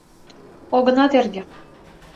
Огына терге...